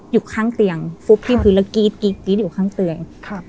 อยู่ข้างเตียงฟุบที่พื้นแล้วกรี๊ดกรี๊ดกรี๊ดอยู่ข้างเตียงครับ